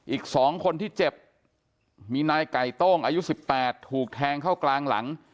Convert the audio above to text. อีก๒คนที่เจ็บมีนายไก่โต้งอายุ๑๘ถูกแทงเข้ากลางหลัง